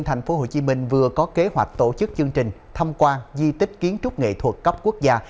thành phố hồ chí minh vừa có kế hoạch tổ chức chương trình thăm quan di tích kiến trúc nghệ thuật cấp quốc gia